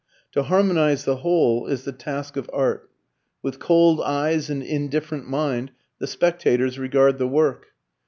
To harmonize the whole is the task of art. With cold eyes and indifferent mind the spectators regard the work.